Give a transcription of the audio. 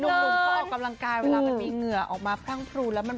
หนุ่มเขาออกกำลังกายเวลามันมีเหงื่อออกมาพรั่งพรูแล้วมัน